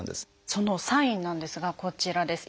そのサインなんですがこちらです。